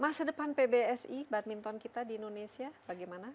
masa depan pbsi badminton kita di indonesia bagaimana